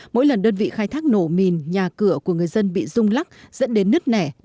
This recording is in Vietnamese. mỗi lần đơn vị khai thác nổ mìn nhà cửa của người dân bị rung lắc dẫn đến nứt nẻ